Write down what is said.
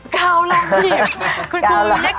กราวลองหยิบคุณคุณหยิบให้กราวลองเลย